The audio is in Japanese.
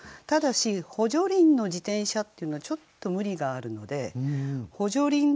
ただし「補助輪の自転車」っていうのはちょっと無理があるので「補助輪